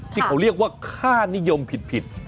ที่เขาเรียกว่าค่านิยมผิด